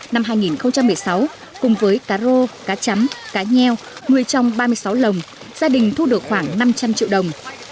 năm hai nghìn một mươi sáu cùng với cá rô cá chấm cá nheo người trồng ba mươi sáu lồng gia đình thu được khoảng năm trăm linh triệu đồng